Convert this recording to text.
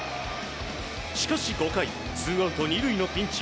しかし５回ツーアウト２塁のピンチ。